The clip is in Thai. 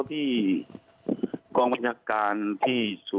ที่กองพันธการที่